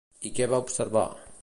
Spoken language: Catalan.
I què va observar?